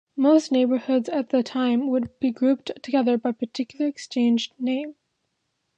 Most neighborhoods at the time would be grouped together by a particular exchange name.